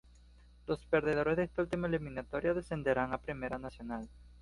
Los perdedores de esta última eliminatoria descenderán a Primera Nacional.